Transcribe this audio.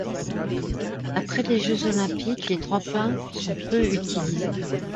Après les Jeux olympiques, les tremplins sont peu utilisés.